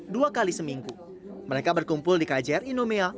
dua kali seminggu mereka berkumpul di kjr inumea